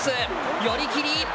寄り切り。